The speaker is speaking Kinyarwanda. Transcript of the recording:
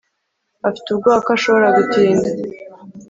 afite ubwoba ko ashobora gutinda